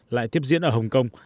lại tiếp diễn ở hồng kông